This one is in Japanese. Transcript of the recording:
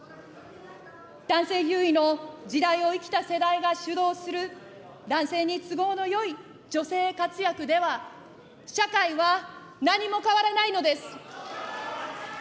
男性優位の時代を生きた世代が主導する男性に都合のよい女性活躍では、社会は何も変わらないのです。